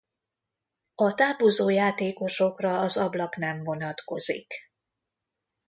A távozó játékosokra az ablak nem vonatkozik.